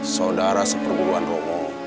saudara seperguruan romo